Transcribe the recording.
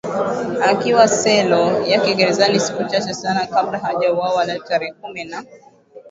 akiwa kwenye selo yake gerezani siku chache sana kabla hajauwawa Leo tarehe kumi na